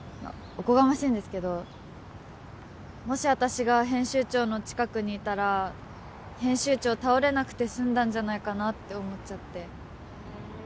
おこがましいんですけどもし私が編集長の近くにいたら編集長倒れなくて済んだんじゃないかなって思っちゃって